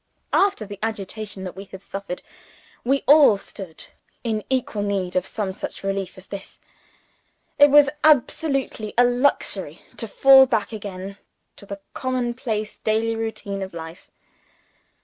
After the agitation that we had suffered, we all stood equally in need of some such relief as this. It was absolutely a luxury to fall back again into the common place daily routine of life.